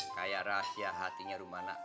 kayak rahasia hatinya rumana ke robi